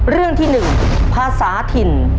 เรื่องที่๑ภาษาถิ่น